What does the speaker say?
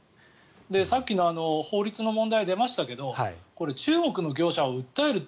さっきの法律の問題出ましたけど中国の業者を訴えるって